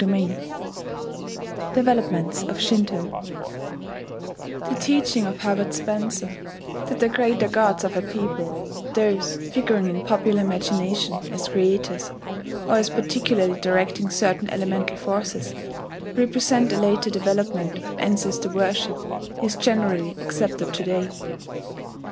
DEVELOPMENTS OF SHINTO The teaching of Herbert Spencer that the greater gods of a people those figuring in popular imagination as creators, or as particularly directing certain elemental forces represent a later development of ancestor worship, is generally accepted to day.